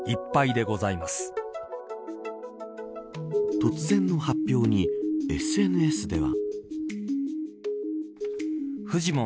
突然の発表にＳＮＳでは。